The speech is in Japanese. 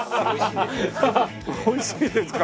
おいしいですよ。